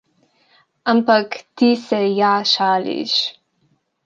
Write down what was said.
Ampak ti se ja šališ.